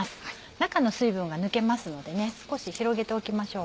中の水分が抜けますので少し広げておきましょう。